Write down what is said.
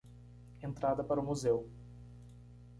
Entrada para o museu